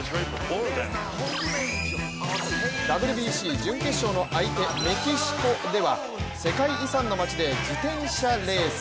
ＷＢＣ準決勝の相手、メキシコでは世界遺産の街で自転車レース。